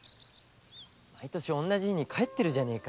毎年同じ日に帰ってるじゃねぇか。